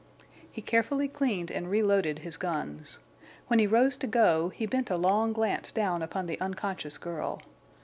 He carefully cleaned and reloaded his guns. When he rose to go he bent a long glance down upon the unconscious girl.